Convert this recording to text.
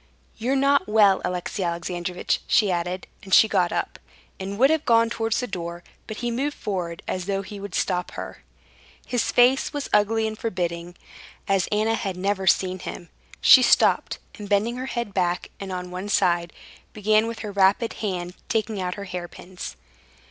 —"You're not well, Alexey Alexandrovitch," she added, and she got up, and would have gone towards the door; but he moved forward as though he would stop her. His face was ugly and forbidding, as Anna had never seen him. She stopped, and bending her head back and on one side, began with her rapid hand taking out her hairpins.